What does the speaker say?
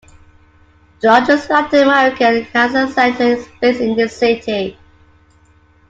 The largest Latin American cancer center is based in this city.